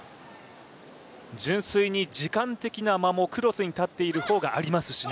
純粋に時間的な間も、クロスに立っている方がありますしね。